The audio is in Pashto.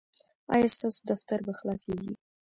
ایا ستاسو دفتر به خلاصیږي؟